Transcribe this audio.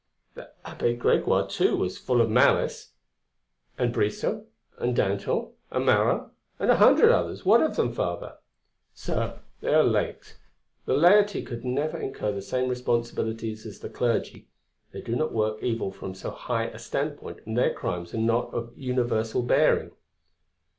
"The Abbé Gregoire too, was full of malice." "And Brissot, and Danton, and Marat, and a hundred others, what of them, Father?" "Sir, they are laics; the laity could never incur the same responsibilities as the clergy. They do not work evil from so high a standpoint, and their crimes are not of universal bearing."